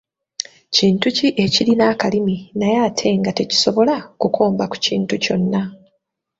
Kintu ki ekirina akalimi naye ate nga tekisobola kukomba ku kintu kyonna?